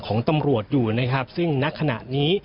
ของตำรวจอยู่นะครับซึ่งณขณะนี้